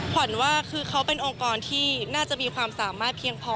ขวัญว่าคือเขาเป็นองค์กรที่น่าจะมีความสามารถเพียงพอ